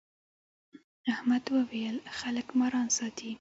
احمد وويل: خلک ماران ساتي.